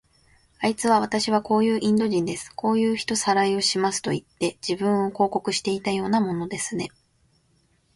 あいつは、わたしはこういうインド人です。こういう人さらいをしますといって、自分を広告していたようなものですね。